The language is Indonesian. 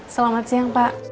selamat siang pak